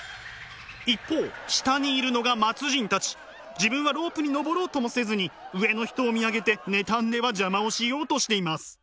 自分はロープに登ろうともせずに上の人を見上げて妬んでは邪魔をしようとしています。